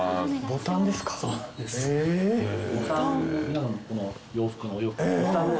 ボタンですか？